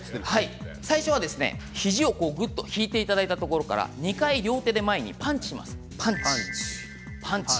最初は肘を引いていただいたところから２回両手で前、パンチ、パンチ。